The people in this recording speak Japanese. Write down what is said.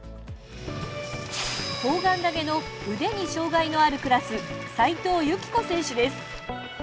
砲丸投げの腕に障害のあるクラス齋藤由希子選手です。